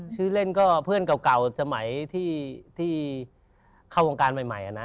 ชื่อเล่นก็เพื่อนเก่าสมัยที่เข้าวงการใหม่นะ